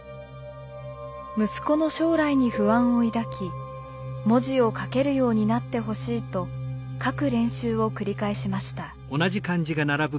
息子の将来に不安を抱き文字を書けるようになってほしいと書く練習を繰り返しました。